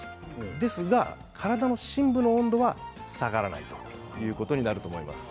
ですが体の深部の温度は下がらないということになると思います。